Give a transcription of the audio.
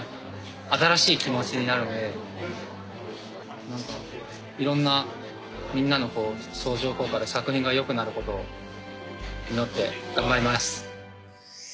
新しい気持ちになるのでいろんなみんなの相乗効果で作品が良くなることを祈って頑張ります。